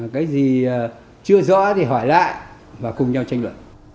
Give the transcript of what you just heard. cái gì chưa rõ thì hỏi lại và cùng nhau tranh luận